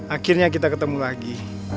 akhirnya kita ketemu lagi